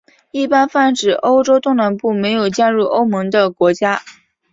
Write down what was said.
一般泛指欧洲东南部没有加入欧盟的国家。